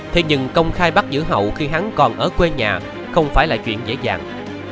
thế nhưng công khai bắt giữ hậu khi hắn còn ở quê nhà không phải là chuyện dễ dàng